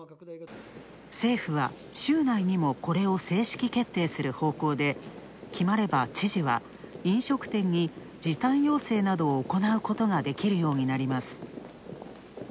政府は、週内にもこれを正式決定する方向で、決まれば知事は飲食店に時短要請をできるようになります。